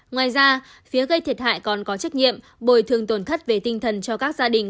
ngoài ra phía gây thiệt hại còn có trách nhiệm bồi thường tổn thất về tinh thần cho các gia đình